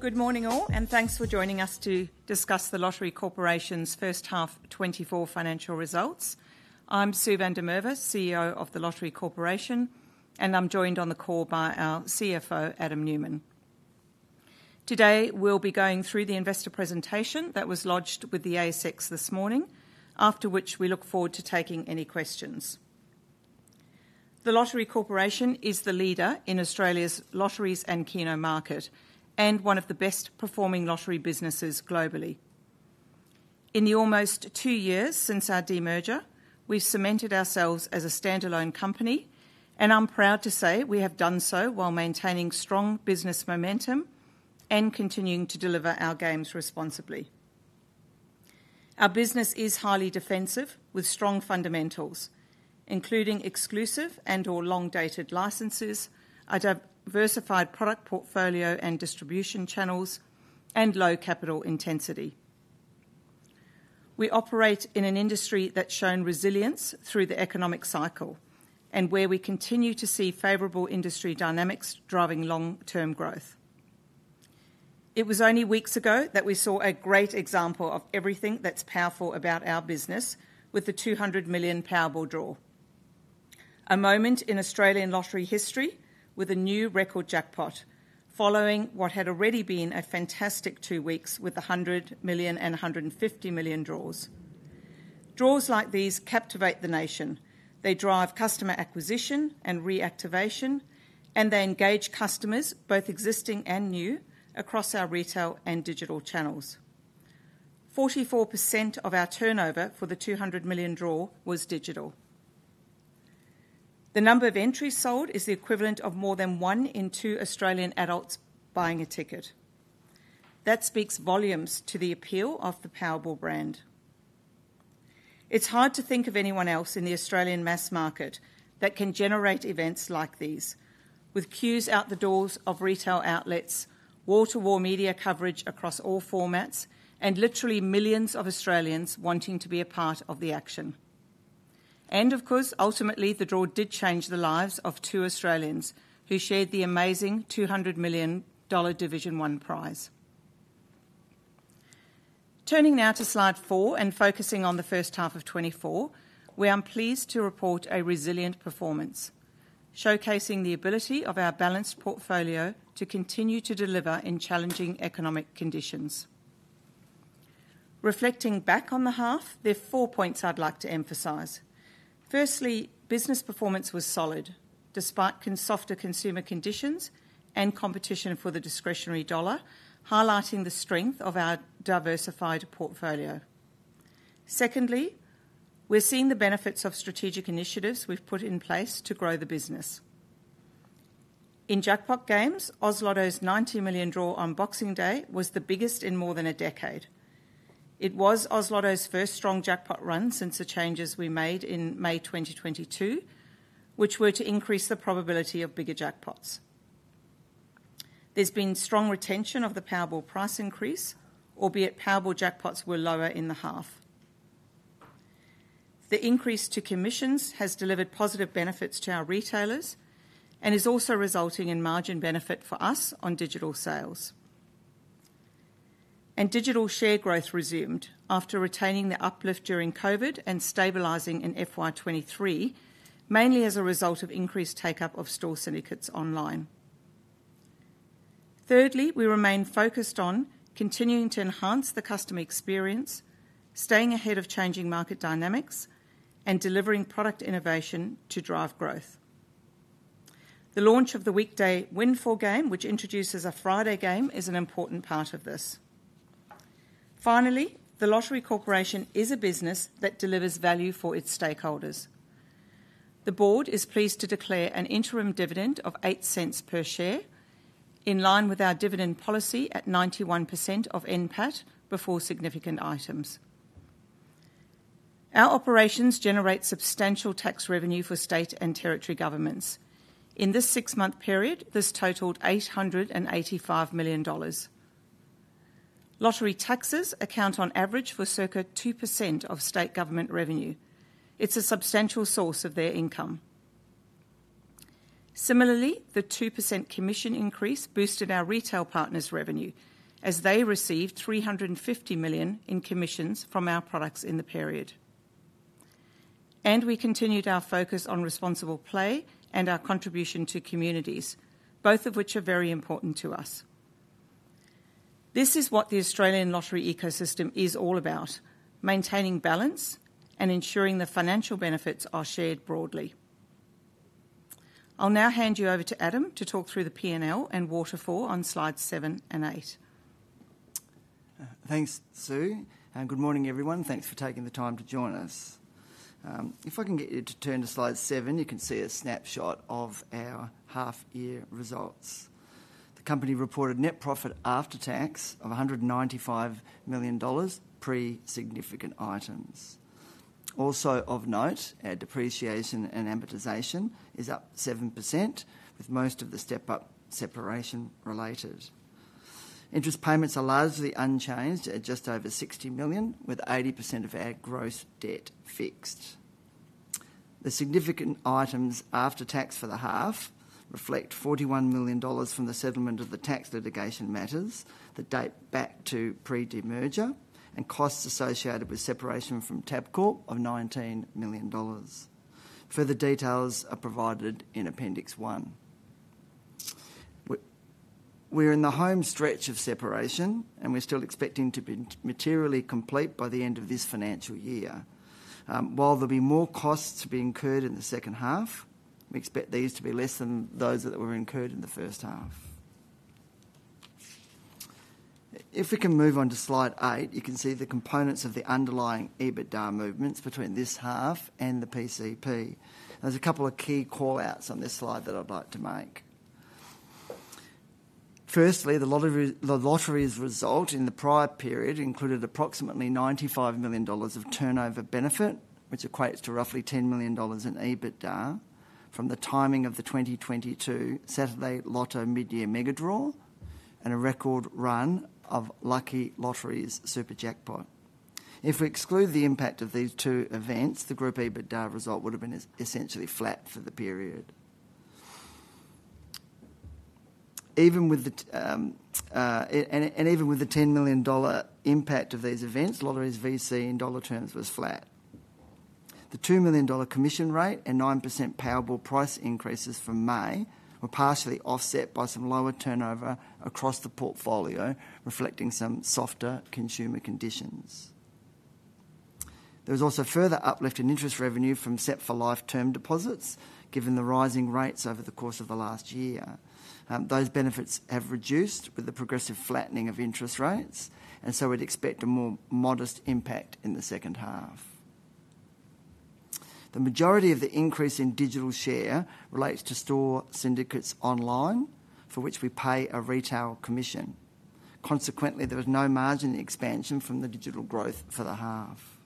Good morning all, and thanks for joining us to discuss the Lottery Corporation's first half 2024 financial results. I'm Sue van der Merwe, CEO of the Lottery Corporation, and I'm joined on the call by our CFO, Adam Newman. Today we'll be going through the investor presentation that was lodged with the ASX this morning, after which we look forward to taking any questions. The Lottery Corporation is the leader in Australia's lotteries and casino market, and one of the best-performing lottery businesses globally. In the almost two years since our demerger, we've cemented ourselves as a standalone company, and I'm proud to say we have done so while maintaining strong business momentum and continuing to deliver our games responsibly. Our business is highly defensive with strong fundamentals, including exclusive and/or long-dated licenses, a diversified product portfolio and distribution channels, and low capital intensity. We operate in an industry that's shown resilience through the economic cycle, and where we continue to see favorable industry dynamics driving long-term growth. It was only weeks ago that we saw a great example of everything that's powerful about our business with the 200 million Powerball draw: a moment in Australian lottery history with a new record jackpot, following what had already been a fantastic two weeks with the 100 million and 150 million draws. Draws like these captivate the nation. They drive customer acquisition and reactivation, and they engage customers, both existing and new, across our retail and digital channels. 44% of our turnover for the 200 million draw was digital. The number of entries sold is the equivalent of more than one in two Australian adults buying a ticket. That speaks volumes to the appeal of the Powerball brand. It's hard to think of anyone else in the Australian mass market that can generate events like these, with queues out the doors of retail outlets, wall-to-wall media coverage across all formats, and literally millions of Australians wanting to be a part of the action. Of course, ultimately, the draw did change the lives of two Australians who shared the amazing 200 million dollar Division 1 prize. Turning now to slide four and focusing on the first half of 2024, we are pleased to report a resilient performance, showcasing the ability of our balanced portfolio to continue to deliver in challenging economic conditions. Reflecting back on the half, there are four points I'd like to emphasize. Firstly, business performance was solid despite softer consumer conditions and competition for the discretionary dollar, highlighting the strength of our diversified portfolio. Secondly, we're seeing the benefits of strategic initiatives we've put in place to grow the business. In jackpot games, Oz Lotto's $90 million draw on Boxing Day was the biggest in more than a decade. It was Oz Lotto's first strong jackpot run since the changes we made in May 2022, which were to increase the probability of bigger jackpots. There's been strong retention of the Powerball price increase, albeit Powerball jackpots were lower in the half. The increase to commissions has delivered positive benefits to our retailers and is also resulting in margin benefit for us on digital sales. And digital share growth resumed after retaining the uplift during COVID and stabilising in FY23, mainly as a result of increased take-up of Store Syndicates Online. Thirdly, we remain focused on continuing to enhance the customer experience, staying ahead of changing market dynamics, and delivering product innovation to drive growth. The launch of the Weekday Windfall game, which introduces a Friday game, is an important part of this. Finally, The Lottery Corporation is a business that delivers value for its stakeholders. The board is pleased to declare an interim dividend of 0.08 per share, in line with our dividend policy at 91% of NPAT before significant items. Our operations generate substantial tax revenue for state and territory governments. In this six-month period, this totaled 885 million dollars. Lottery taxes account, on average, for circa 2% of state government revenue. It's a substantial source of their income. Similarly, the 2% commission increase boosted our retail partners' revenue, as they received 350 million in commissions from our products in the period. We continued our focus on responsible play and our contribution to communities, both of which are very important to us. This is what the Australian lottery ecosystem is all about: maintaining balance and ensuring the financial benefits are shared broadly. I'll now hand you over to Adam to talk through the P&L and waterfall on slides 7 and 8. Thanks, Sue. Good morning, everyone. Thanks for taking the time to join us. If I can get you to turn to slide 7, you can see a snapshot of our half-year results. The company reported net profit after tax of 195 million dollars pre-significant items. Also of note, our depreciation and amortisation is up 7%, with most of the step-up separation related. Interest payments are largely unchanged at just over 60 million, with 80% of our gross debt fixed. The significant items after tax for the half reflect 41 million dollars from the settlement of the tax litigation matters that date back to pre-demerger and costs associated with separation from Tabcorp of 19 million dollars. Further details are provided in Appendix 1. We're in the home stretch of separation, and we're still expecting to be materially complete by the end of this financial year. While there'll be more costs to be incurred in the second half, we expect these to be less than those that were incurred in the first half. If we can move on to slide eight, you can see the components of the underlying EBITDA movements between this half and the PCP. There's a couple of key callouts on this slide that I'd like to make. Firstly, the lottery's result in the prior period included approximately 95 million dollars of turnover benefit, which equates to roughly 10 million dollars in EBITDA, from the timing of the 2022 Saturday Lotto Mid-Year Megadraw and a record run of Lucky Lotteries's super jackpot. If we exclude the impact of these two events, the group EBITDA result would have been essentially flat for the period. And even with the 10 million dollar impact of these events, Lottery's VC in dollar terms was flat. The 2 million dollar commission rate and 9% Powerball price increases from May were partially offset by some lower turnover across the portfolio, reflecting some softer consumer conditions. There was also further uplift in interest revenue from Set for Life term deposits, given the rising rates over the course of the last year. Those benefits have reduced with the progressive flattening of interest rates, and so we'd expect a more modest impact in the second half. The majority of the increase in digital share relates to Store Syndicates Online, for which we pay a retail commission. Consequently, there was no margin expansion from the digital growth for the half.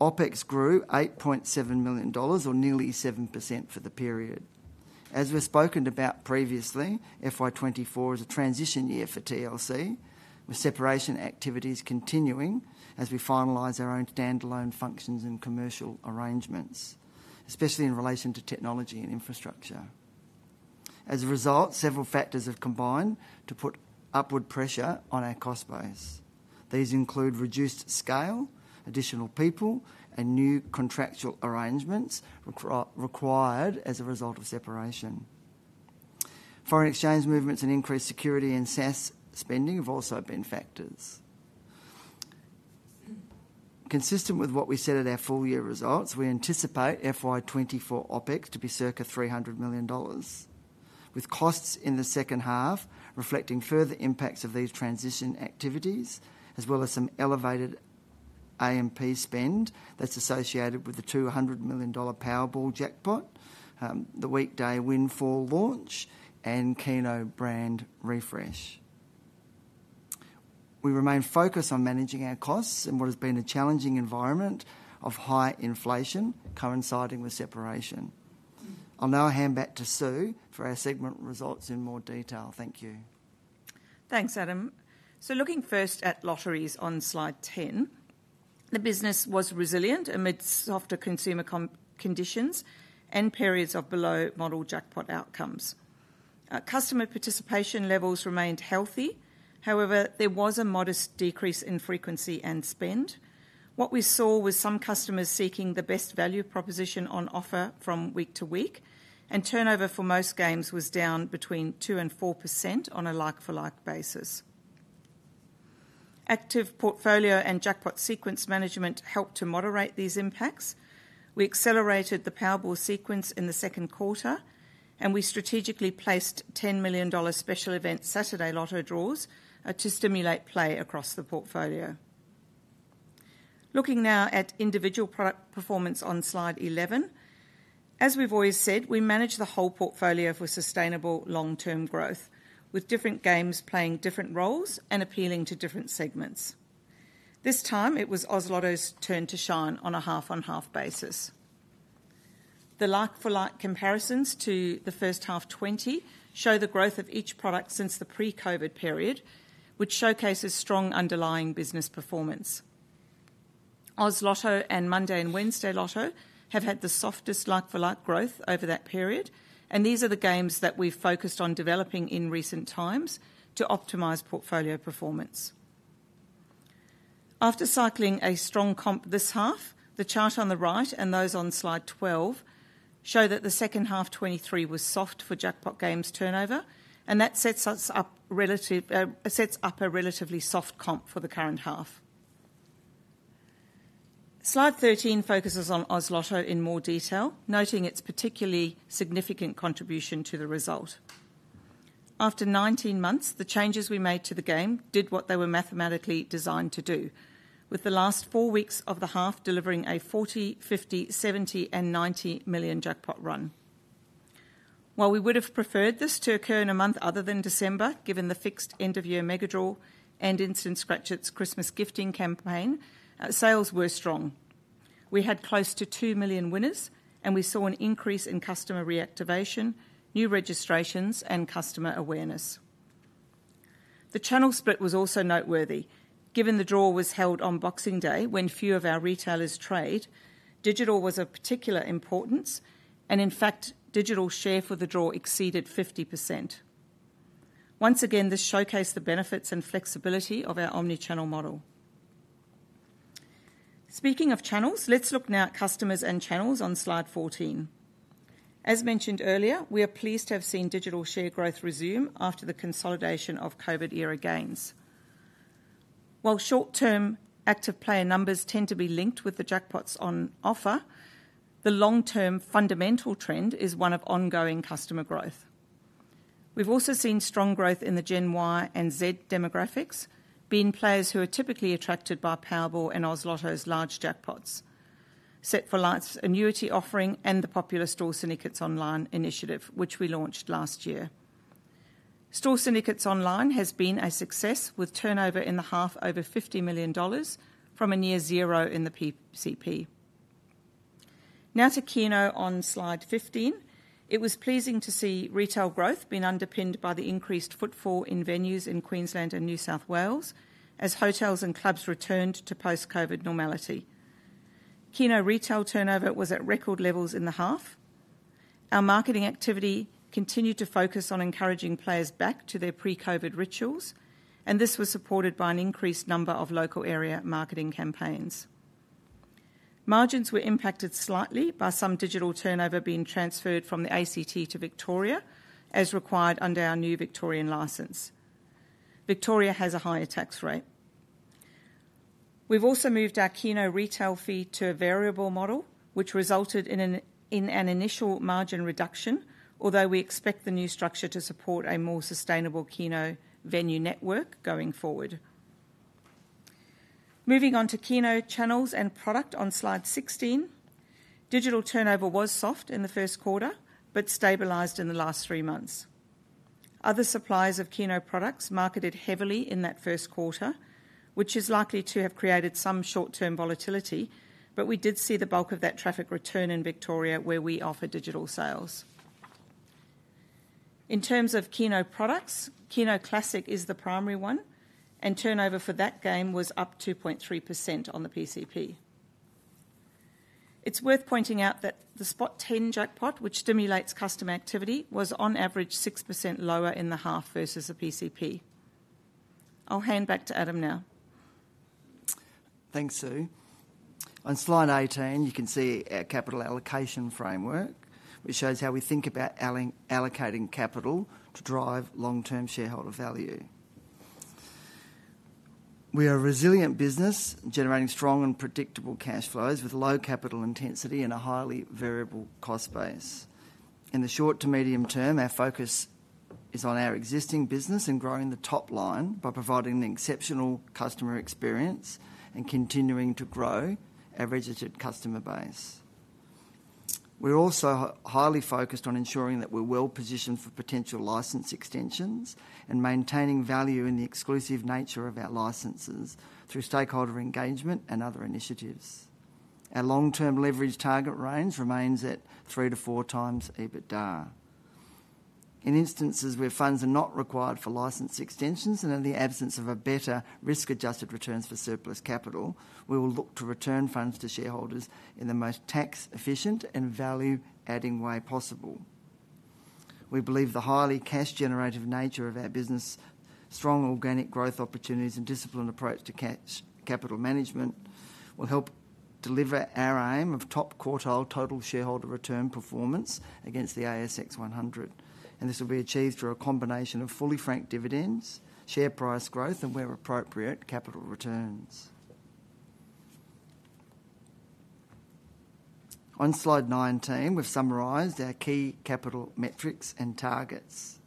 OPEX grew 8.7 million dollars, or nearly 7%, for the period. As we've spoken about previously, FY24 is a transition year for TLC, with separation activities continuing as we finalize our own standalone functions and commercial arrangements, especially in relation to technology and infrastructure. As a result, several factors have combined to put upward pressure on our cost base. These include reduced scale, additional people, and new contractual arrangements required as a result of separation. Foreign exchange movements and increased security and SaaS spending have also been factors. Consistent with what we said at our full-year results, we anticipate FY24 OPEX to be circa 300 million dollars, with costs in the second half reflecting further impacts of these transition activities, as well as some elevated AMP spend that's associated with the 200 million dollar Powerball jackpot, the Weekday Windfall launch, and casino brand refresh. We remain focused on managing our costs in what has been a challenging environment of high inflation coinciding with separation. I'll now hand back to Sue for our segment results in more detail. Thank you. Thanks, Adam. So looking first at lotteries on slide 10, the business was resilient amidst softer consumer conditions and periods of below-model jackpot outcomes. Customer participation levels remained healthy. However, there was a modest decrease in frequency and spend. What we saw was some customers seeking the best value proposition on offer from week to week, and turnover for most games was down between 2% and 4% on a like-for-like basis. Active portfolio and jackpot sequence management helped to moderate these impacts. We accelerated the Powerball sequence in the second quarter, and we strategically placed 10 million dollar special event Saturday Lotto draws to stimulate play across the portfolio. Looking now at individual product performance on slide 11, as we've always said, we manage the whole portfolio for sustainable long-term growth, with different games playing different roles and appealing to different segments. This time, it was Oz Lotto's turn to shine on a half-on-half basis. The like-for-like comparisons to the first half 2020 show the growth of each product since the pre-COVID period, which showcases strong underlying business performance. Oz Lotto and Monday and Wednesday Lotto have had the softest like-for-like growth over that period, and these are the games that we've focused on developing in recent times to optimize portfolio performance. After cycling a strong comp this half, the chart on the right and those on slide 12 show that the second half 2023 was soft for jackpot games turnover, and that sets us up a relatively soft comp for the current half. Slide 13 focuses on Oz Lotto in more detail, noting its particularly significant contribution to the result. After 19 months, the changes we made to the game did what they were mathematically designed to do, with the last four weeks of the half delivering a 40 million, 50 million, 70 million, and 90 million jackpot run. While we would have preferred this to occur in a month other than December, given the fixed end-of-year mega draw and Instant Scratch-Its Christmas gifting campaign, sales were strong. We had close to 2 million winners, and we saw an increase in customer reactivation, new registrations, and customer awareness. The channel split was also noteworthy. Given the draw was held on Boxing Day, when few of our retailers trade, digital was of particular importance, and in fact, digital share for the draw exceeded 50%. Once again, this showcased the benefits and flexibility of our omnichannel model. Speaking of channels, let's look now at customers and channels on slide 14. As mentioned earlier, we are pleased to have seen digital share growth resume after the consolidation of COVID-era gains. While short-term active player numbers tend to be linked with the jackpots on offer, the long-term fundamental trend is one of ongoing customer growth. We've also seen strong growth in the Gen Y and Z demographics, being players who are typically attracted by Powerball and Oz Lotto's large jackpots, Set for Life like annuity offering and the popular Store Syndicates Online initiative, which we launched last year. Store Syndicates Online has been a success, with turnover in the half over 50 million dollars from near zero in the PCP. Now to Keno on Slide 15. It was pleasing to see retail growth being underpinned by the increased footfall in venues in Queensland and New South Wales, as hotels and clubs returned to post-COVID normality. Casino retail turnover was at record levels in the half. Our marketing activity continued to focus on encouraging players back to their pre-COVID rituals, and this was supported by an increased number of local-area marketing campaigns. Margins were impacted slightly by some digital turnover being transferred from the ACT to Victoria, as required under our new Victorian license. Victoria has a higher tax rate. We've also moved our casino retail fee to a variable model, which resulted in an initial margin reduction, although we expect the new structure to support a more sustainable casino venue network going forward. Moving on to casino channels and product on slide 16. Digital turnover was soft in the first quarter but stabilized in the last three months. Other sales of Keno products marketed heavily in that first quarter, which is likely to have created some short-term volatility, but we did see the bulk of that traffic return in Victoria, where we offer digital sales. In terms of Keno products, Keno Classic is the primary one, and turnover for that game was up 2.3% on the PCP. It's worth pointing out that the Spot 10 jackpot, which stimulates customer activity, was on average 6% lower in the half versus the PCP. I'll hand back to Adam now. Thanks, Sue. On slide 18, you can see our capital allocation framework, which shows how we think about allocating capital to drive long-term shareholder value. We are a resilient business generating strong and predictable cash flows with low capital intensity and a highly variable cost base. In the short to medium term, our focus is on our existing business and growing the top line by providing an exceptional customer experience and continuing to grow our registered customer base. We're also highly focused on ensuring that we're well-positioned for potential license extensions and maintaining value in the exclusive nature of our licenses through stakeholder engagement and other initiatives. Our long-term leverage target range remains at 3-4x EBITDA. In instances where funds are not required for license extensions and in the absence of better risk-adjusted returns for surplus capital, we will look to return funds to shareholders in the most tax-efficient and value-adding way possible. We believe the highly cash-generative nature of our business, strong organic growth opportunities, and disciplined approach to capital management will help deliver our aim of top quartile total shareholder return performance against the ASX 100, and this will be achieved through a combination of fully franked dividends, share price growth, and, where appropriate, capital returns. On slide 19, we've summarised our key capital metrics and targets.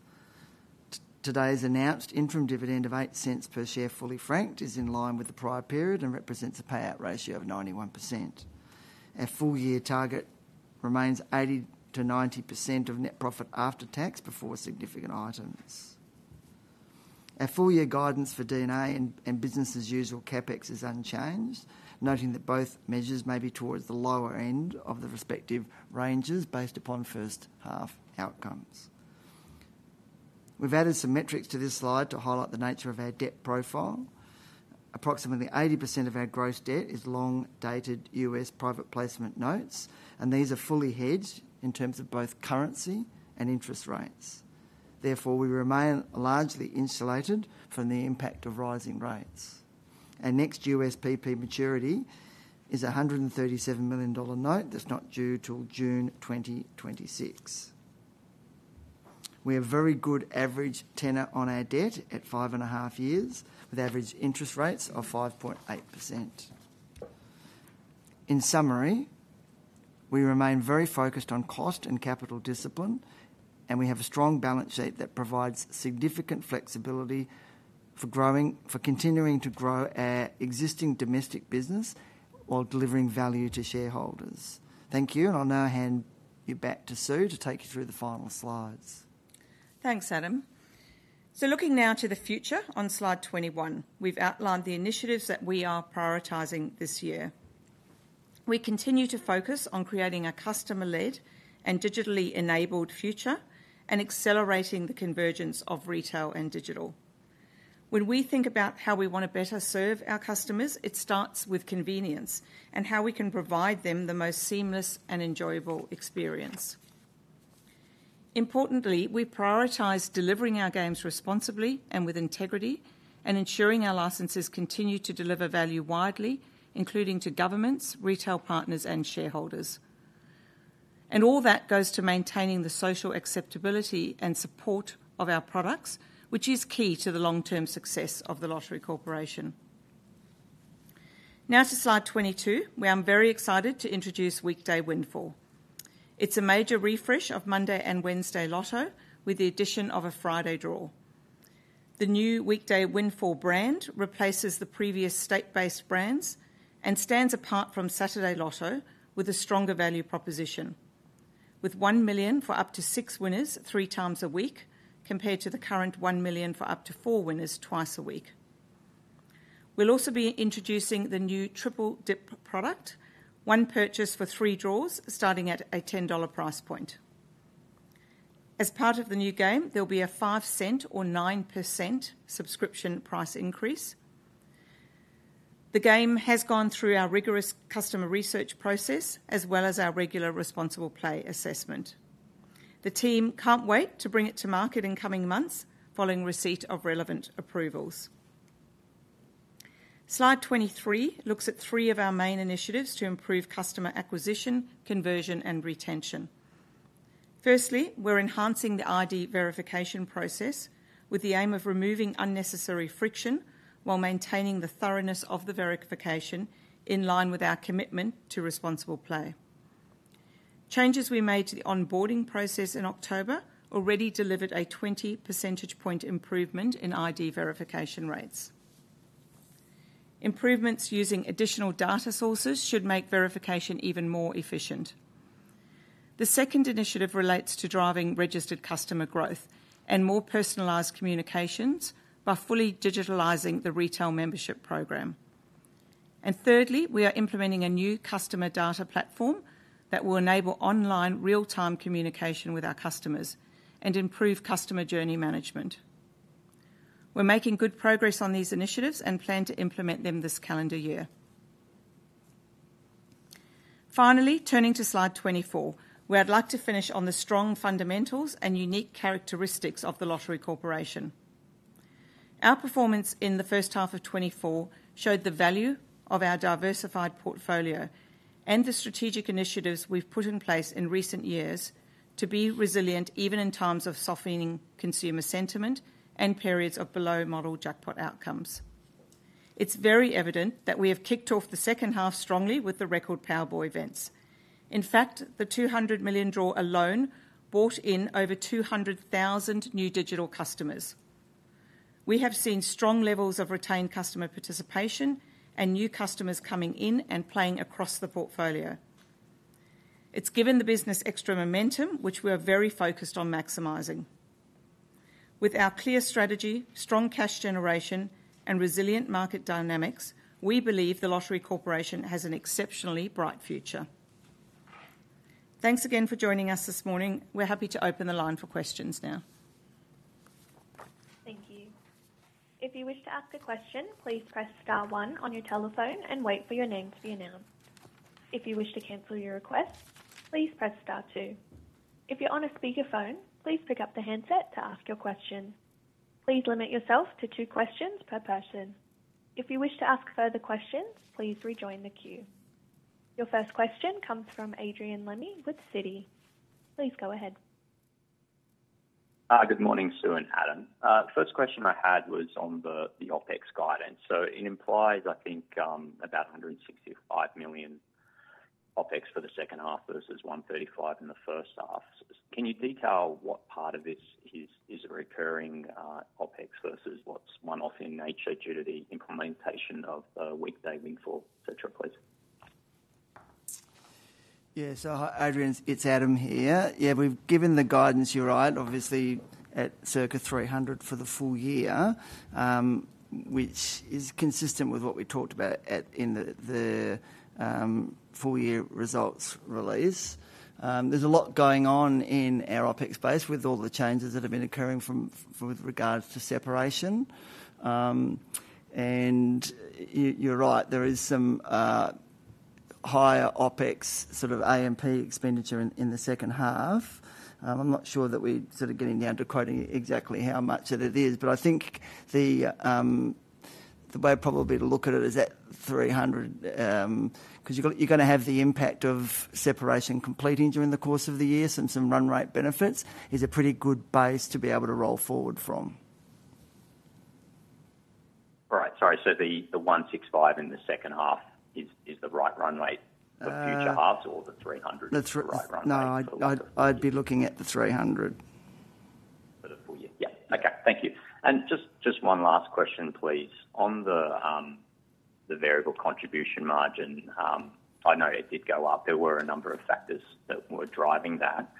Today's announced interim dividend of 0.08 per share fully franked is in line with the prior period and represents a payout ratio of 91%. Our full-year target remains 80%-90% of net profit after tax before significant items. Our full-year guidance for D&A and business-as-usual CAPEX is unchanged, noting that both measures may be towards the lower end of the respective ranges based upon first-half outcomes. We've added some metrics to this slide to highlight the nature of our debt profile. Approximately 80% of our gross debt is long-dated US private placement notes, and these are fully hedged in terms of both currency and interest rates. Therefore, we remain largely insulated from the impact of rising rates. Our next USPP maturity is a $137 million note that's not due till June 2026. We have very good average tenor on our debt at 5.5 years, with average interest rates of 5.8%. In summary, we remain very focused on cost and capital discipline, and we have a strong balance sheet that provides significant flexibility for continuing to grow our existing domestic business while delivering value to shareholders. Thank you, and I'll now hand you back to Sue to take you through the final slides. Thanks, Adam. Looking now to the future on slide 21, we've outlined the initiatives that we are prioritizing this year. We continue to focus on creating a customer-led and digitally enabled future and accelerating the convergence of retail and digital. When we think about how we want to better serve our customers, it starts with convenience and how we can provide them the most seamless and enjoyable experience. Importantly, we prioritize delivering our games responsibly and with integrity and ensuring our licenses continue to deliver value widely, including to governments, retail partners, and shareholders. All that goes to maintaining the social acceptability and support of our products, which is key to the long-term success of The Lottery Corporation. Now to slide 22, we are very excited to introduce Weekday Windfall. It's a major refresh of Monday and Wednesday Lotto with the addition of a Friday draw. The new Weekday Windfall brand replaces the previous state-based brands and stands apart from Saturday Lotto with a stronger value proposition, with 1 million for up to 6 winners 3 times a week compared to the current 1 million for up to 4 winners twice a week. We'll also be introducing the new Triple Dip product, one purchase for 3 draws starting at a 10 dollar price point. As part of the new game, there'll be a 0.05 or 9% subscription price increase. The game has gone through our rigorous customer research process as well as our regular responsible play assessment. The team can't wait to bring it to market in coming months following receipt of relevant approvals. Slide 23 looks at 3 of our main initiatives to improve customer acquisition, conversion, and retention. Firstly, we're enhancing the ID verification process with the aim of removing unnecessary friction while maintaining the thoroughness of the verification in line with our commitment to responsible play. Changes we made to the onboarding process in October already delivered a 20 percentage point improvement in ID verification rates. Improvements using additional data sources should make verification even more efficient. The second initiative relates to driving registered customer growth and more personalized communications by fully digitalizing the retail membership program. And thirdly, we are implementing a new customer data platform that will enable online real-time communication with our customers and improve customer journey management. We're making good progress on these initiatives and plan to implement them this calendar year. Finally, turning to slide 24, where I'd like to finish on the strong fundamentals and unique characteristics of the Lottery Corporation. Our performance in the first half of 2024 showed the value of our diversified portfolio and the strategic initiatives we've put in place in recent years to be resilient even in times of softening consumer sentiment and periods of below-model jackpot outcomes. It's very evident that we have kicked off the second half strongly with the record Powerball events. In fact, the 200 million draw alone bought in over 200,000 new digital customers. We have seen strong levels of retained customer participation and new customers coming in and playing across the portfolio. It's given the business extra momentum, which we are very focused on maximizing. With our clear strategy, strong cash generation, and resilient market dynamics, we believe the Lottery Corporation has an exceptionally bright future. Thanks again for joining us this morning. We're happy to open the line for questions now. Thank you. If you wish to ask a question, please press star one on your telephone and wait for your name to be announced. If you wish to cancel your request, please press star two. If you're on a speakerphone, please pick up the handset to ask your question. Please limit yourself to two questions per person. If you wish to ask further questions, please rejoin the queue. Your first question comes from Adrian Lemme with Citi. Please go ahead. Good morning, Sue and Adam. First question I had was on the OPEX guidance. It implies, I think, about 165 million OPEX for the second half versus 135 million in the first half. Can you detail what part of this is a recurring OPEX versus what's one-off in nature, duty, implementation of the Weekday Windfall, etc., please? Yeah. So, Adrian, it's Adam here. Yeah, we've given the guidance you're right, obviously, at circa 300 for the full year, which is consistent with what we talked about in the full-year results release. There's a lot going on in our OPEX base with all the changes that have been occurring with regards to separation. And you're right. There is some higher OPEX, sort of AMP expenditure in the second half. I'm not sure that we're sort of getting down to quoting exactly how much it is, but I think the way probably to look at it is at 300 because you're going to have the impact of separation completing during the course of the year, so some run-rate benefits is a pretty good base to be able to roll forward from. All right. Sorry. So the 165 in the second half is the right run rate for future halves or the 300 is the right run rate? That's right. No, I'd be looking at the 300. For the full year. Yeah. Okay. Thank you. Just one last question, please. On the variable contribution margin, I know it did go up. There were a number of factors that were driving that.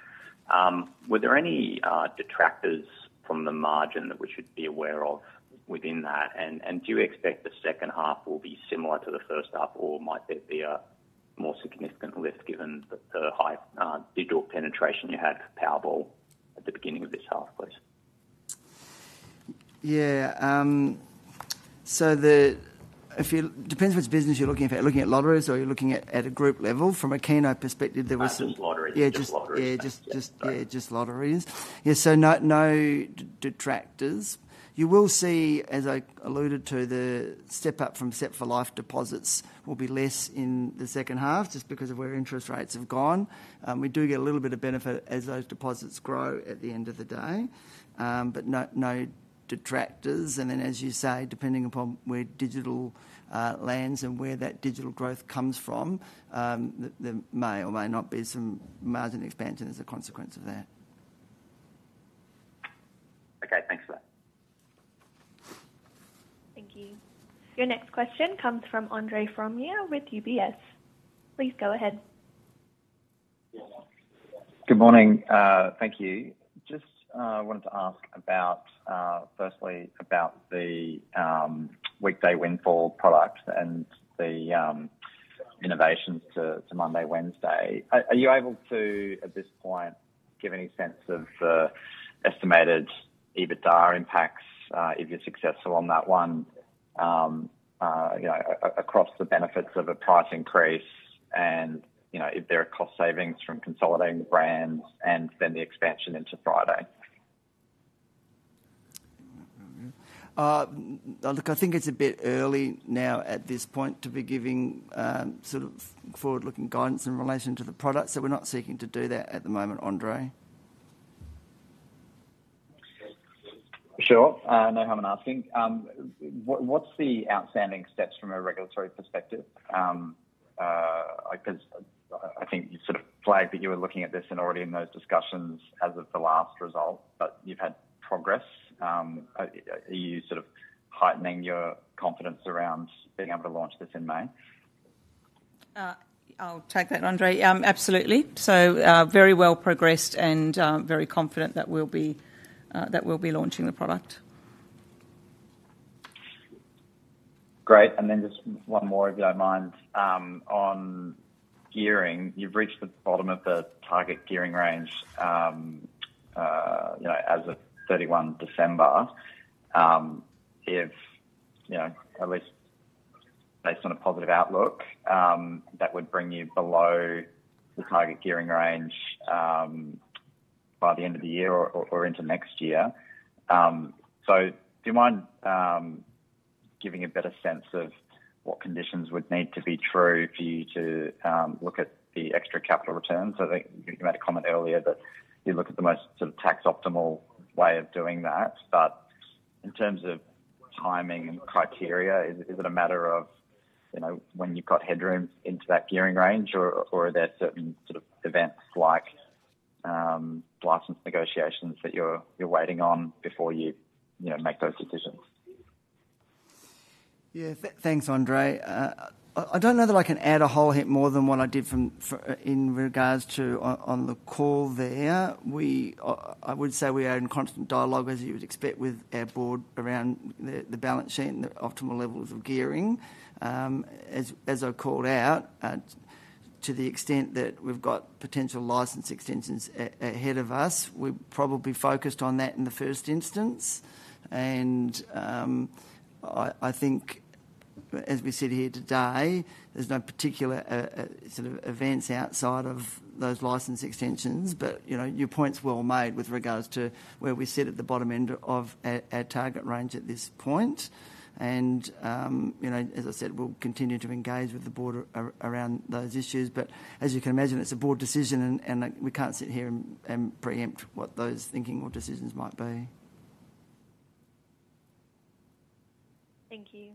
Were there any detractors from the margin that we should be aware of within that? Do you expect the second half will be similar to the first half, or might there be a more significant lift given the high digital penetration you had for Powerball at the beginning of this half, please? Yeah. So it depends which business you're looking at. Are you looking at lotteries, or are you looking at a group level? From a casino perspective, there was. Lotteries. Lotteries. Yeah, just lotteries. Yeah, just lotteries. Yeah, so no detractors. You will see, as I alluded to, the step up from Set for Life deposits will be less in the second half just because of where interest rates have gone. We do get a little bit of benefit as those deposits grow at the end of the day, but no detractors. And then, as you say, depending upon where digital lands and where that digital growth comes from, there may or may not be some margin expansion as a consequence of that. Okay. Thanks for that. Thank you. Your next question comes from Andre Fromyhr with UBS. Please go ahead. Good morning. Thank you. Just wanted to ask, firstly, about the Weekday Windfall product and the innovations to Monday, Wednesday. Are you able to, at this point, give any sense of the estimated EBITDA impacts if you're successful on that one across the benefits of a price increase and if there are cost savings from consolidating the brands and then the expansion into Friday? Look, I think it's a bit early now at this point to be giving sort of forward-looking guidance in relation to the products. So we're not seeking to do that at the moment, Andrew. Sure. No, I haven't asked. What's the outstanding steps from a regulatory perspective? Because I think you sort of flagged that you were looking at this already in those discussions as of the last result, but you've had progress. Are you sort of heightening your confidence around being able to launch this in May? I'll take that, Andrew. Absolutely. So very well progressed and very confident that we'll be launching the product. Great. And then just one more, if you don't mind, on gearing. You've reached the bottom of the target gearing range as of 31 December. At least based on a positive outlook, that would bring you below the target gearing range by the end of the year or into next year. So do you mind giving a better sense of what conditions would need to be true for you to look at the extra capital returns? I think you made a comment earlier that you look at the most sort of tax-optimal way of doing that. But in terms of timing and criteria, is it a matter of when you've got headroom into that gearing range, or are there certain sort of events like licence negotiations that you're waiting on before you make those decisions? Yeah. Thanks, Andrew. I don't know that I can add a whole lot more than what I did in regards to on the call there. I would say we are in constant dialogue, as you would expect, with our board around the balance sheet and the optimal levels of gearing. As I called out, to the extent that we've got potential license extensions ahead of us, we're probably focused on that in the first instance. And I think, as we sit here today, there's no particular sort of events outside of those license extensions. But your point's well made with regards to where we sit at the bottom end of our target range at this point. And as I said, we'll continue to engage with the board around those issues. But as you can imagine, it's a board decision, and we can't sit here and preempt what those thinking or decisions might be. Thank you.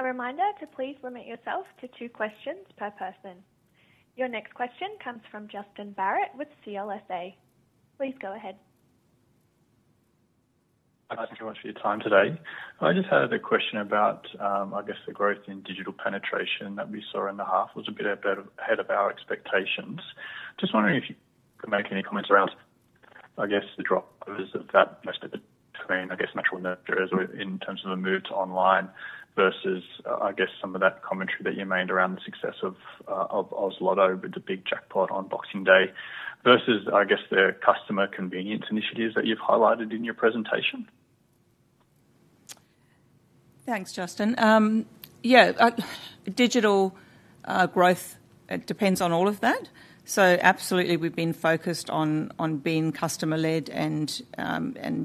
A reminder to please limit yourself to two questions per person. Your next question comes from Justin Barratt with CLSA. Please go ahead. Thank you so much for your time today. I just had a question about, I guess, the growth in digital penetration that we saw in the half. It was a bit ahead of our expectations. Just wondering if you could make any comments around, I guess, the drop that's happened between, I guess, natural nurturers in terms of a move to online versus, I guess, some of that commentary that you made around the success of Oz Lotto with the big jackpot on Boxing Day versus, I guess, the customer convenience initiatives that you've highlighted in your presentation? Thanks, Justin. Yeah. Digital growth, it depends on all of that. So absolutely, we've been focused on being customer-led and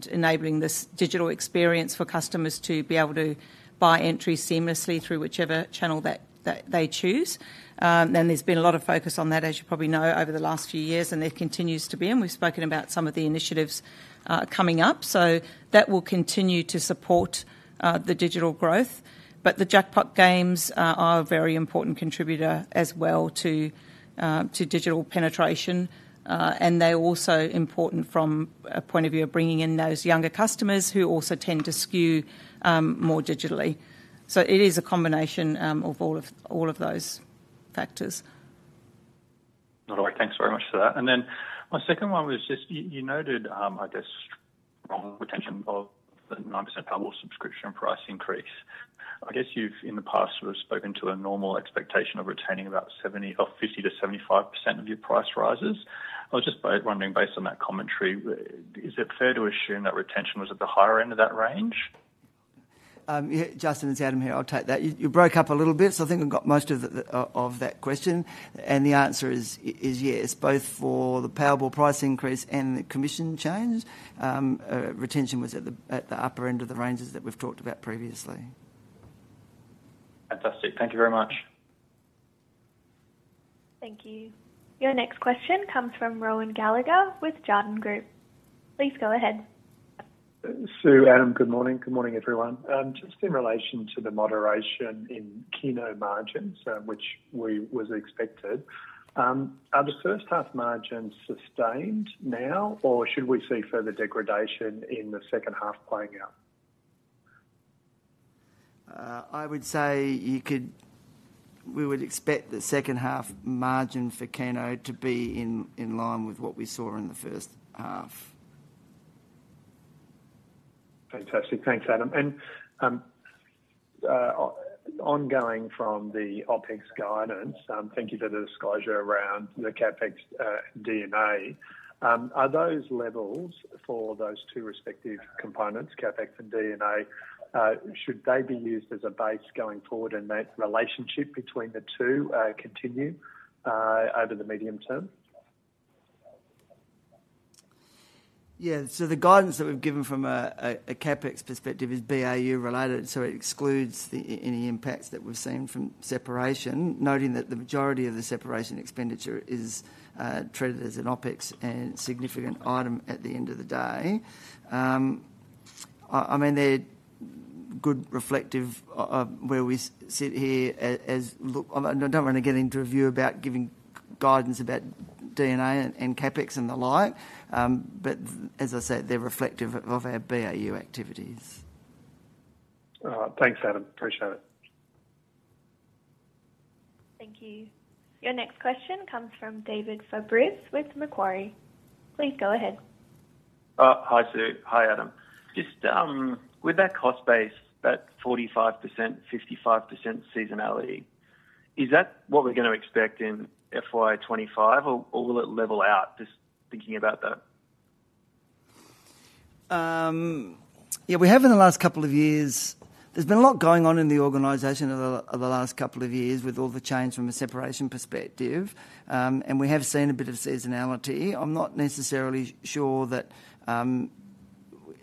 enabling this digital experience for customers to be able to buy entries seamlessly through whichever channel they choose. And there's been a lot of focus on that, as you probably know, over the last few years, and there continues to be. And we've spoken about some of the initiatives coming up. So that will continue to support the digital growth. But the jackpot games are a very important contributor as well to digital penetration, and they're also important from a point of view of bringing in those younger customers who also tend to skew more digitally. So it is a combination of all of those factors. All right. Thanks very much for that. And then my second one was just you noted, I guess, strong retention of the 9% Powerball subscription price increase. I guess you've, in the past, sort of spoken to a normal expectation of retaining about 50%-75% of your price rises. I was just wondering, based on that commentary, is it fair to assume that retention was at the higher end of that range? Justin, it's Adam here. I'll take that. You broke up a little bit, so I think we've got most of that question. And the answer is yes, both for the Powerball price increase and the commission change, retention was at the upper end of the ranges that we've talked about previously. Fantastic. Thank you very much. Thank you. Your next question comes from Rohan Gallagher with Jarden Group. Please go ahead. Sue, Adam, good morning. Good morning, everyone. Just in relation to the moderation in casino margins, which was expected, are the first-half margins sustained now, or should we see further degradation in the second half playing out? I would say we would expect the second-half margin for casino to be in line with what we saw in the first half. Fantastic. Thanks, Adam. Ongoing from the OPEX guidance, thank you for the disclosure around the CAPEX/D&A, are those levels for those two respective components, CAPEX and D&A, should they be used as a base going forward, and that relationship between the two continue over the medium term? Yeah. So the guidance that we've given from a CAPEX perspective is BAU-related, so it excludes any impacts that we've seen from separation, noting that the majority of the separation expenditure is treated as an OPEX and a significant item at the end of the day. I mean, they're good reflective of where we sit here as I don't want to get into a view about giving guidance about D&A and CAPEX and the like, but as I said, they're reflective of our BAU activities. Thanks, Adam. Appreciate it. Thank you. Your next question comes from David Fabris with Macquarie. Please go ahead. Hi, Sue. Hi, Adam. With that cost base, that 45%, 55% seasonality, is that what we're going to expect in FY 2025, or will it level out, just thinking about that? Yeah. In the last couple of years, there's been a lot going on in the organization over the last couple of years with all the change from a separation perspective, and we have seen a bit of seasonality. I'm not necessarily sure that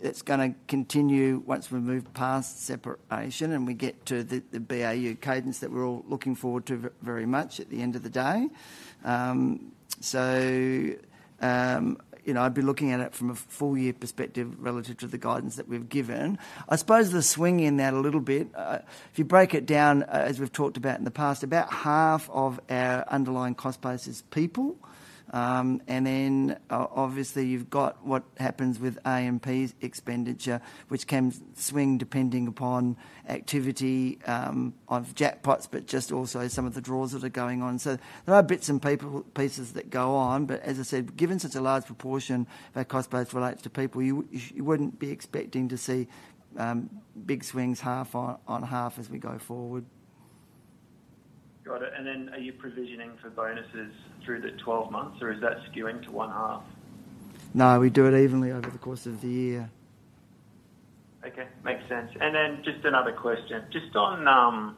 it's going to continue once we move past separation and we get to the BAU cadence that we're all looking forward to very much at the end of the day. So I'd be looking at it from a full-year perspective relative to the guidance that we've given. I suppose the swing in that a little bit if you break it down, as we've talked about in the past, about half of our underlying cost base is people. And then, obviously, you've got what happens with AMP's expenditure, which can swing depending upon activity of jackpots, but just also some of the draws that are going on. There are bits and pieces that go on. But as I said, given such a large proportion of our cost base relates to people, you wouldn't be expecting to see big swings half on half as we go forward. Got it. And then are you provisioning for bonuses through the 12 months, or is that skewing to one half? No, we do it evenly over the course of the year. Okay. Makes sense. Then just another question, just on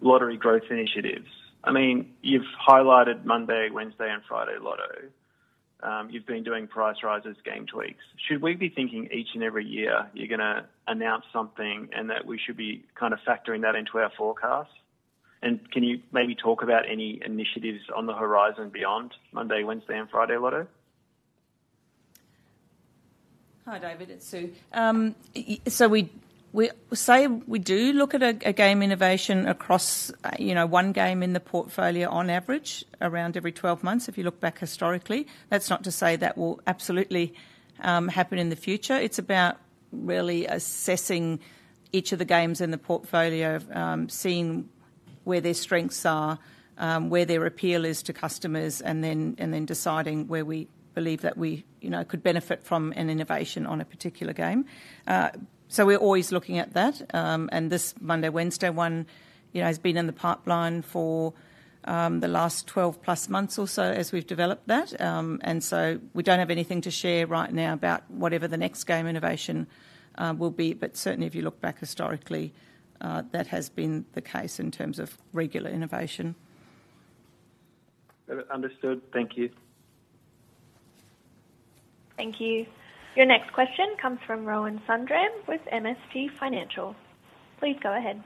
lottery growth initiatives. I mean, you've highlighted Monday, Wednesday, and Friday Lotto. You've been doing price rises, game tweaks. Should we be thinking each and every year you're going to announce something and that we should be kind of factoring that into our forecast? And can you maybe talk about any initiatives on the horizon beyond Monday, Wednesday, and Friday Lotto? Hi, David. It's Sue. So we say we do look at a game innovation across one game in the portfolio on average around every 12 months if you look back historically. That's not to say that will absolutely happen in the future. It's about really assessing each of the games in the portfolio, seeing where their strengths are, where their appeal is to customers, and then deciding where we believe that we could benefit from an innovation on a particular game. So we're always looking at that. And this Monday, Wednesday one has been in the pipeline for the last 12-plus months or so as we've developed that. And so we don't have anything to share right now about whatever the next game innovation will be. But certainly, if you look back historically, that has been the case in terms of regular innovation. Understood. Thank you. Thank you. Your next question comes from Rohan Sundram with MST Financial. Please go ahead.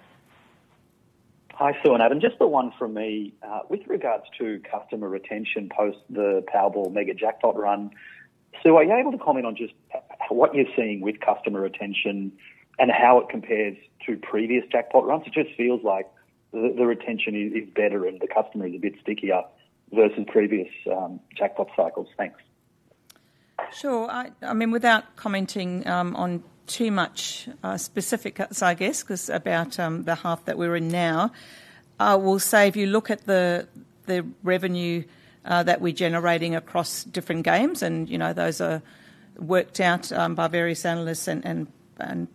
Hi, Sue. And Adam, just the one from me with regards to customer retention post the Powerball mega jackpot run. Sue, are you able to comment on just what you're seeing with customer retention and how it compares to previous jackpot runs? It just feels like the retention is better and the customer is a bit stickier versus previous jackpot cycles. Thanks. Sure. I mean, without commenting on too much specific, I guess, because about the half that we're in now, we'll say if you look at the revenue that we're generating across different games (and those are worked out by various analysts and published),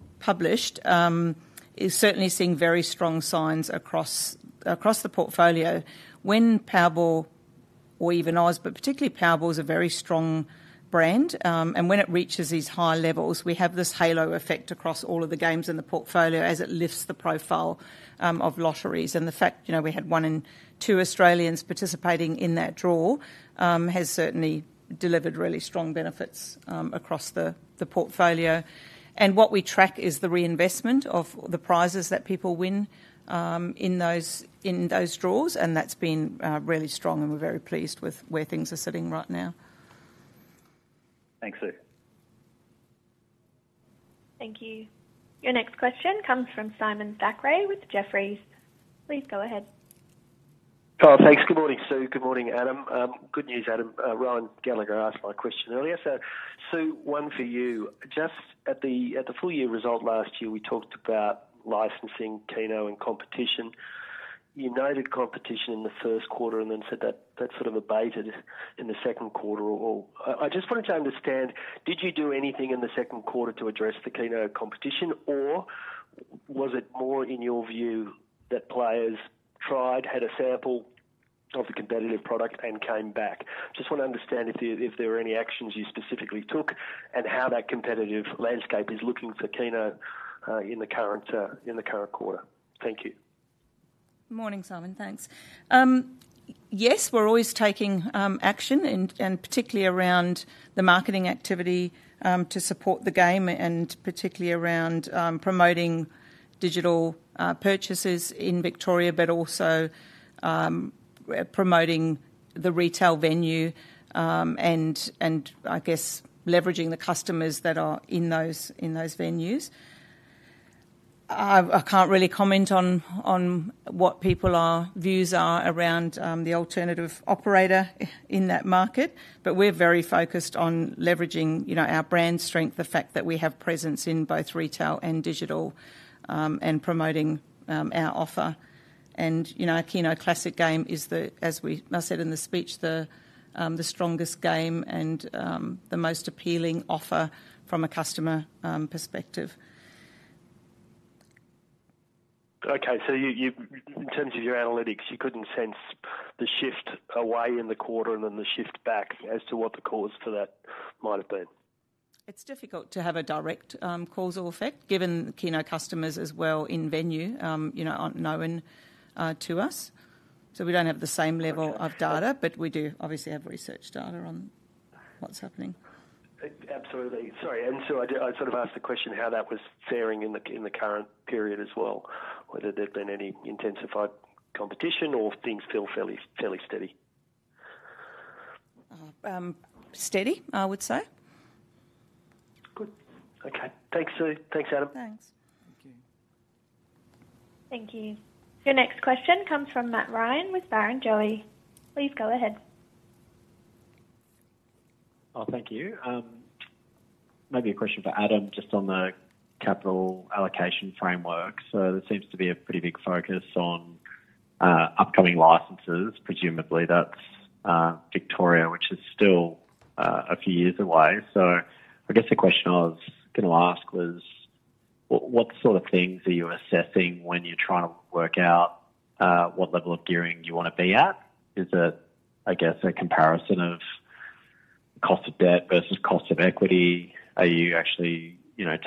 you're certainly seeing very strong signs across the portfolio. When Powerball, or even Oz, but particularly Powerball, is a very strong brand and when it reaches these high levels, we have this halo effect across all of the games in the portfolio as it lifts the profile of lotteries. And the fact we had one in two Australians participating in that draw has certainly delivered really strong benefits across the portfolio. And what we track is the reinvestment of the prizes that people win in those draws, and that's been really strong, and we're very pleased with where things are sitting right now. Thanks, Sue. Thank you. Your next question comes from Simon Thackray with Jefferies. Please go ahead. Thanks. Good morning, Sue. Good morning, Adam. Good news, Adam. Rohan Gallagher asked my question earlier. So, Sue, one for you. Just at the full-year result last year, we talked about licensing, casino, and competition. You noted competition in the first quarter and then said that sort of abated in the second quarter. I just wanted to understand, did you do anything in the second quarter to address the casino competition, or was it more in your view that players tried, had a sample of the competitive product, and came back? Just want to understand if there were any actions you specifically took and how that competitive landscape is looking for casino in the current quarter. Thank you. Morning, Simon. Thanks. Yes, we're always taking action, and particularly around the marketing activity to support the game and particularly around promoting digital purchases in Victoria, but also promoting the retail venue and, I guess, leveraging the customers that are in those venues. I can't really comment on what people's views are around the alternative operator in that market, but we're very focused on leveraging our brand strength, the fact that we have presence in both retail and digital, and promoting our offer. And a Keno Classic game is, as I said in the speech, the strongest game and the most appealing offer from a customer perspective. Okay. So in terms of your analytics, you couldn't sense the shift away in the quarter and then the shift back as to what the cause for that might have been? It's difficult to have a direct causal effect given casino customers as well in venue aren't known to us. So we don't have the same level of data, but we do obviously have research data on what's happening. Absolutely. Sorry. And so I sort of asked the question how that was faring in the current period as well, whether there'd been any intensified competition or things feel fairly steady. Steady, I would say. Good. Okay. Thanks, Sue. Thanks, Adam. Thanks. Thank you. Your next question comes from Matt Ryan with Barrenjoey. Please go ahead. Thank you. Maybe a question for Adam just on the capital allocation framework. So there seems to be a pretty big focus on upcoming licenses. Presumably, that's Victoria, which is still a few years away. So I guess the question I was going to ask was, what sort of things are you assessing when you're trying to work out what level of gearing you want to be at? Is it, I guess, a comparison of cost of debt versus cost of equity? Are you actually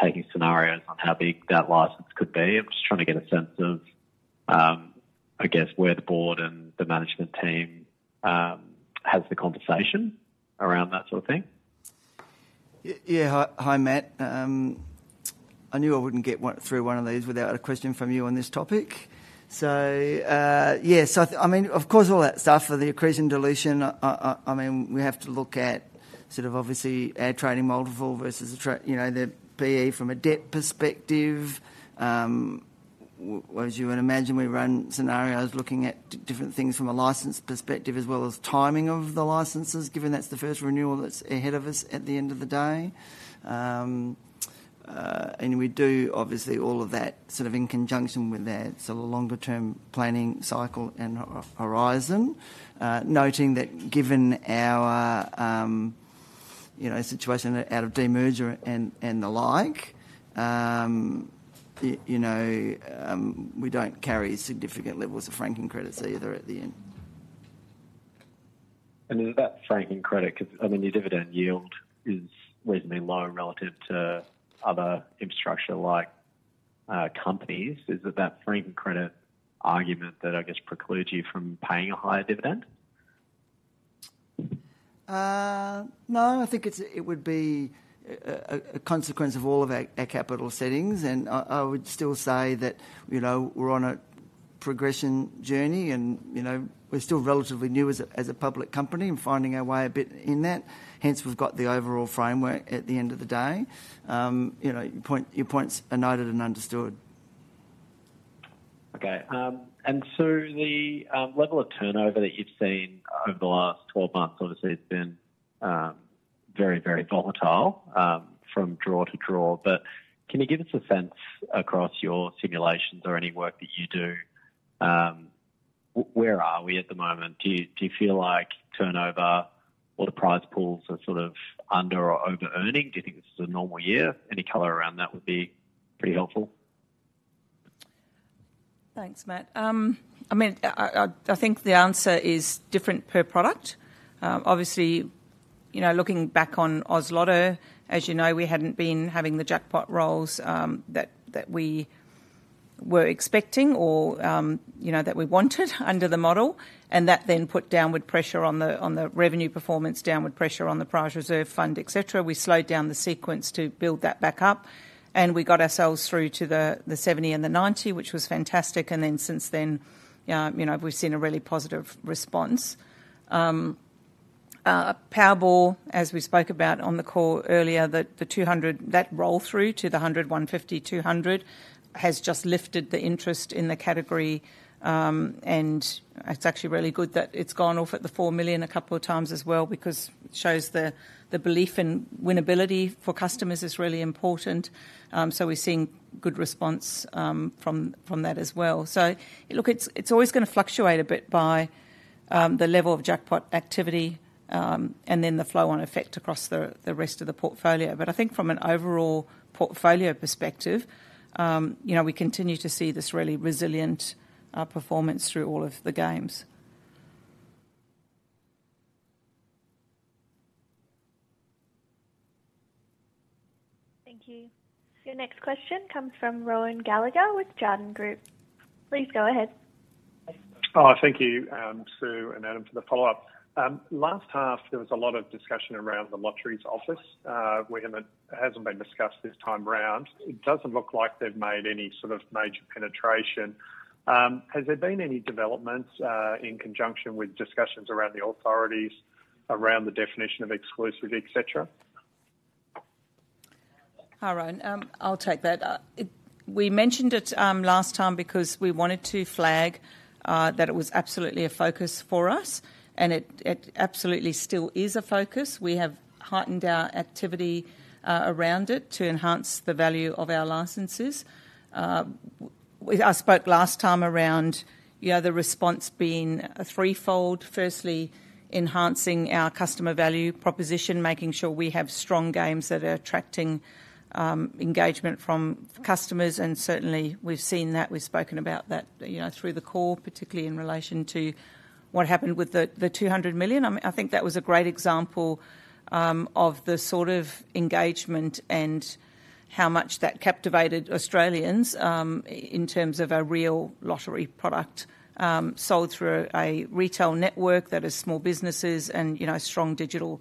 taking scenarios on how big that license could be? I'm just trying to get a sense of, I guess, where the board and the management team has the conversation around that sort of thing. Yeah. Hi, Matt. I knew I wouldn't get through one of these without a question from you on this topic. So yeah. So I mean, of course, all that stuff for the accretion/dilution, I mean, we have to look at sort of obviously our trading multiple versus the PE from a debt perspective. As you would imagine, we run scenarios looking at different things from a license perspective as well as timing of the licenses given that's the first renewal that's ahead of us at the end of the day. And we do, obviously, all of that sort of in conjunction with that sort of longer-term planning cycle and horizon, noting that given our situation out of demerger and the like, we don't carry significant levels of franking credits either at the end. Is that franking credit because, I mean, your dividend yield is reasonably low relative to other infrastructure-like companies? Is it that franking credit argument that, I guess, precludes you from paying a higher dividend? No, I think it would be a consequence of all of our capital settings. I would still say that we're on a progression journey, and we're still relatively new as a public company and finding our way a bit in that. Hence, we've got the overall framework at the end of the day. Your point's noted and understood. Okay. And so the level of turnover that you've seen over the last 12 months, obviously, it's been very, very volatile from draw to draw. But can you give us a sense across your simulations or any work that you do, where are we at the moment? Do you feel like turnover or the prize pools are sort of under or over-earning? Do you think this is a normal year? Any color around that would be pretty helpful. Thanks, Matt. I mean, I think the answer is different per product. Obviously, looking back on Oz Lotto, as you know, we hadn't been having the jackpot rolls that we were expecting or that we wanted under the model, and that then put downward pressure on the revenue performance, downward pressure on the prize reserve fund, etc. We slowed down the sequence to build that back up, and we got ourselves through to the 70 million and the 90 million, which was fantastic. And then since then, we've seen a really positive response. Powerball, as we spoke about on the call earlier, that roll-through to the 100 million, 150 million, 200 million has just lifted the interest in the category. And it's actually really good that it's gone off at the 4 million a couple of times as well because it shows the belief in winnability for customers is really important. So we're seeing good response from that as well. So look, it's always going to fluctuate a bit by the level of jackpot activity and then the flow-on effect across the rest of the portfolio. But I think from an overall portfolio perspective, we continue to see this really resilient performance through all of the games. Thank you. Your next question comes from Rohan Gallagher with Jarden Group. Please go ahead. Thank you, Sue and Adam, for the follow-up. Last half, there was a lot of discussion around The Lottery Office. It hasn't been discussed this time around. It doesn't look like they've made any sort of major penetration. Has there been any developments in conjunction with discussions around the authorities, around the definition of exclusive, etc.? Hi, Rohan. I'll take that. We mentioned it last time because we wanted to flag that it was absolutely a focus for us, and it absolutely still is a focus. We have heightened our activity around it to enhance the value of our licenses. I spoke last time around the response being threefold, firstly enhancing our customer value proposition, making sure we have strong games that are attracting engagement from customers. And certainly, we've seen that. We've spoken about that through the call, particularly in relation to what happened with the 200 million. I think that was a great example of the sort of engagement and how much that captivated Australians in terms of a real lottery product sold through a retail network that is small businesses and strong digital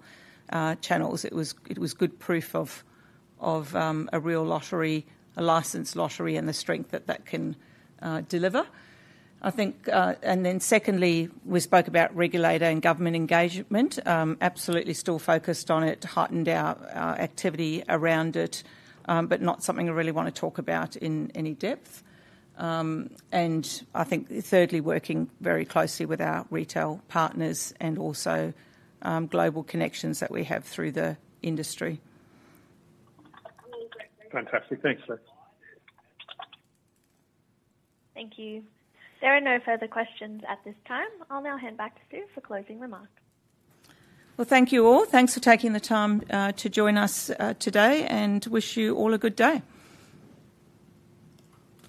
channels. It was good proof of a real lottery, a licensed lottery, and the strength that that can deliver. Then secondly, we spoke about regulatory and government engagement, absolutely still focused on it, but not something I really want to talk about in any depth. I think thirdly, working very closely with our retail partners and also global connections that we have through the industry. Fantastic. Thanks, Sue. Thank you. There are no further questions at this time. I'll now hand back to Sue for closing remarks. Well, thank you all. Thanks for taking the time to join us today, and wish you all a good day.